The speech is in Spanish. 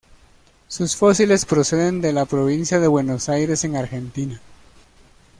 Sus fósiles proceden de la provincia de Buenos Aires en Argentina.